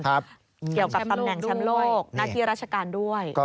เกี่ยวกับตำแหน่งแชมป์โลกหน้าที่ราชการด้วย